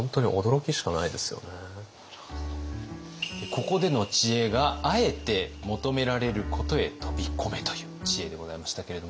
ここでの知恵が「あえて求められることへ飛び込め！」という知恵でございましたけれども。